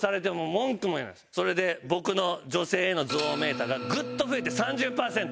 それで僕の女性への憎悪メーターがグッと増えて３０パーセント。